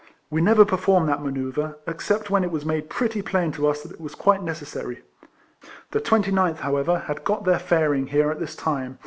We never performed that manoeuvre, except when it was made pretty plain to us that it was quite necessary ; the 29th, however, had got their fairing here at this time ; and the *" Fire and retire.